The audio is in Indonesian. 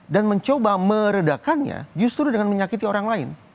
dan mencoba meredakannya justru dengan menyakiti orang lain